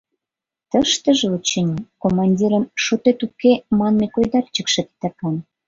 Тыштыже, очыни, командирын «Шотет уке» манме койдарчыкше титакан.